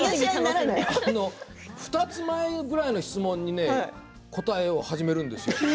２つ前ぐらいの質問にね答え始めるんですよ。